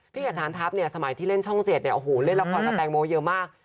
กับฐานทัพเนี่ยสมัยที่เล่นช่อง๗เนี่ยโอ้โหเล่นละครกับแตงโมเยอะมาก